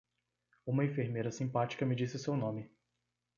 Uma enfermeira simpática me disse seu nome.